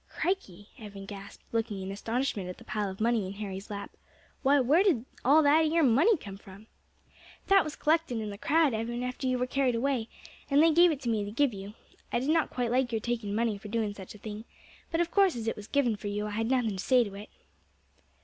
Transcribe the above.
"Crikey!" Evan gasped, looking in astonishment at the pile of money in Harry's lap. "Why, where did all that 'ere money come from?" "That was collected in the crowd, Evan, after you were carried away, and they gave it to me to give to you. I did not quite like your taking money for doing such a thing, but of course as it was given for you I had nothing to say to it."